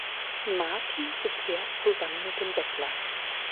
Martin zu Pferd zusammen mit dem Bettler.